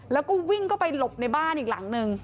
แล้วก็วิ่งเข้าไปหลบในบ้านอีกหลังนึง